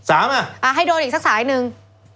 ให้โดนอีกสักสายหนึ่ง